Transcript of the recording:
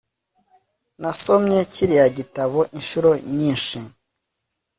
Nasomye kiriya gitabo inshuro nyinshi